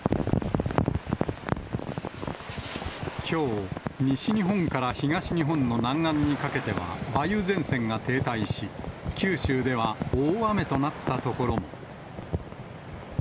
きょう、西日本から東日本の南岸にかけては、梅雨前線が停滞し、九州では大雨となった所も。